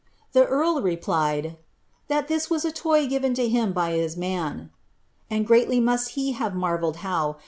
The earl replied, " that (his was a I'T given to him by his man,'" and greatly must he have marvelled hou.